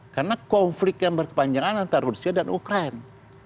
karena konflik yang berkepanjangan antara rusia dan ukraine